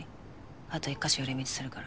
あと１か所寄り道するから。